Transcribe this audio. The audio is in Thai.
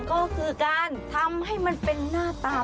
ก็คือการทำให้มันเป็นหน้าตา